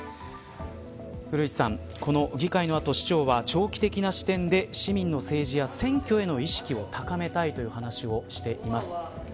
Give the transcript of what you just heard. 古市さん、この議会の後市長は長期的な視点で市民の政治や選挙への意識を高めたいという話をしています。